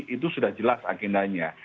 itu sudah jelas agendanya